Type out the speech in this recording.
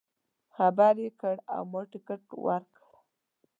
خبر یې کړ او ما ټکټ ورکړ.